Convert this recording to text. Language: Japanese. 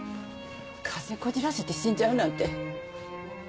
こじらせて死んじゃうなんて。